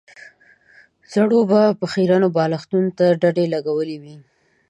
زړو به خيرنو بالښتونو ته ډډې لګولې وې.